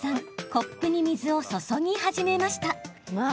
コップに水を注ぎ始めました。